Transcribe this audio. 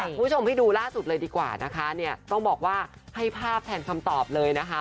คุณผู้ชมให้ดูล่าสุดเลยดีกว่านะคะเนี่ยต้องบอกว่าให้ภาพแทนคำตอบเลยนะคะ